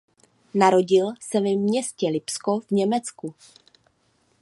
Narodil se ve městě Lipsko v Německu.